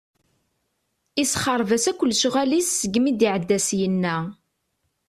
Isexreb-as akk lecɣal-is seg mi d-iɛedda syenna.